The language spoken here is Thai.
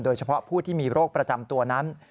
เฉพาะผู้ที่มีโรคประจำตัวนั้น